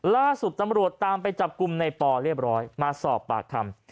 ล่าสุดตำรวจตามไปจับกลุ่มในปอเรียบร้อยมาสอบปากคำ